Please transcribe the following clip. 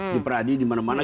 di pradi dimana mana